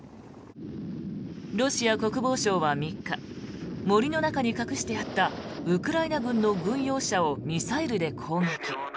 ロシア国防省は３日森の中に隠してあったウクライナ軍の軍用車をミサイルで攻撃。